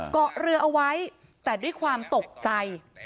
เกาะเรือเอาไว้แต่ด้วยความตกใจ